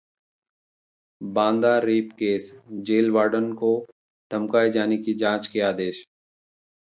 Banda rape case: jail warden को धमकाए जाने की जांच के आदेश